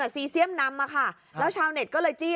ซีเซียมนำมาค่ะแล้วชาวเน็ตก็เลยจี้